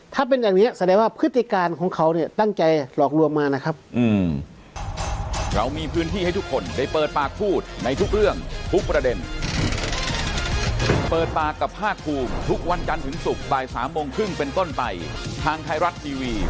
แสดงว่าพฤติการของเขาตั้งใจหลอกรวมมานะครับ